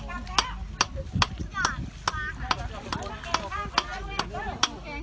สวัสดีครับทุกคน